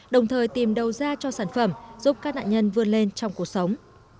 đồng thời tìm đầu ra cho sản phẩm giúp các nạn nhân vươn lên trong cuộc sống